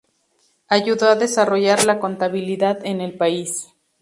Ayudó a desarrollar la contabilidad en el país.